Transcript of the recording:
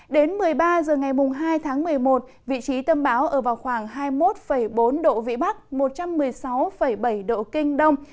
đến một mươi ba h ngày hai tháng một mươi một vị trí tâm bão ở vào khoảng hai mươi một bốn độ vĩ bắc một trăm một mươi sáu bảy độ kinh đông